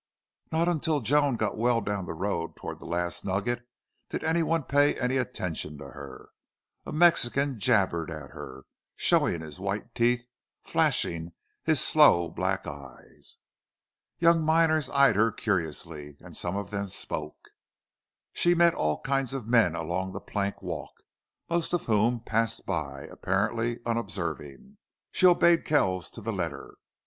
Not until Joan got well down the road toward the Last Nugget did any one pay any attention to her. A Mexican jabbered at her, showing his white teeth, flashing his sloe black eyes. Young miners eyed her curiously, and some of them spoke. She met all kinds of men along the plank walk, most of whom passed by, apparently unobserving. She obeyed Kells to the letter.